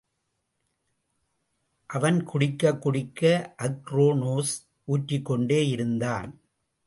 அவன் குடிக்கக் குடிக்க அக்ரோனோஸ் ஊற்றிக்கொண்டேயிருந்தான்.